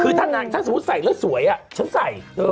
คือถ้านางถ้าสมมุติใส่แล้วสวยฉันใส่